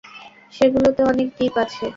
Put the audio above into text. সেগুলোতে অনেক দ্বীপ আছে।